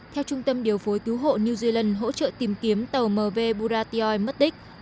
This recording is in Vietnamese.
theo trung tâm điều phối cứu hộ new zealand hỗ trợ tìm kiếm tàu mv buratiaoi mất tích